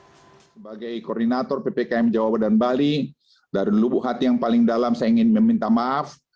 saya sebagai koordinator ppkm jawa dan bali dari lubuk hati yang paling dalam saya ingin meminta maaf